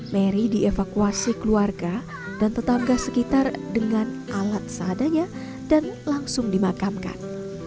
mary dievakuasi keluarga dan tetangga sekitar dengan alat seadanya dan langsung dimakamkan